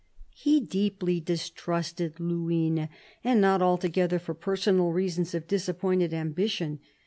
He deeply distrusted Luynes, and not altogether for personal reasons of disappointed ambition.